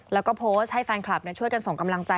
แล้วก็โพสต์ให้แฟนคลับช่วยกันส่งกำลังใจ